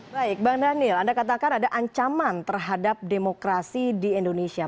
baik bang daniel anda katakan ada ancaman terhadap demokrasi di indonesia